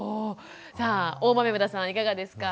さあ大豆生田さんいかがですか？